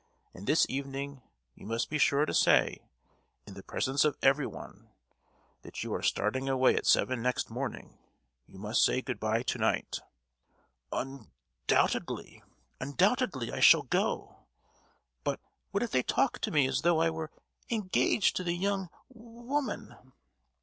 and this evening you must be sure to say, in the presence of everybody, that you are starting away at seven next morning: you must say good bye to night!" "Un—doubtedly, undoubtedly—I shall go;—but what if they talk to me as though I were engaged to the young wo—oman?"